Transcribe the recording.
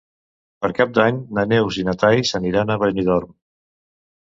Per Cap d'Any na Neus i na Thaís aniran a Benidorm.